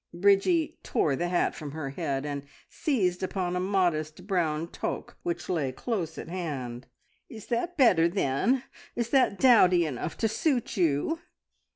Bridgie tore the hat from her head, and seized upon a modest brown toque which lay close at hand. "Is that better, then? Is that dowdy enough to suit you?"